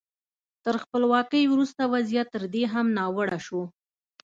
تر خپلواکۍ وروسته وضعیت تر دې هم ناوړه شو.